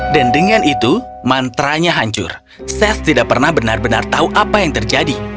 dan dengan itu mantra nya hancur seth tidak pernah benar benar tahu apa yang terjadi